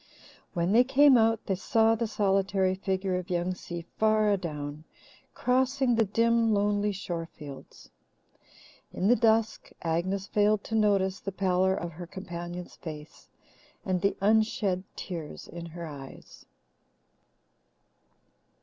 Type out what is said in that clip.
When they came out they saw the solitary figure of Young Si far adown, crossing the dim, lonely shore fields. In the dusk Agnes failed to notice the pallor of her companion's face and the unshed tears in her eyes.